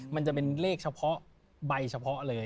มันจะเป็นเลขเฉพาะใบเฉพาะเลย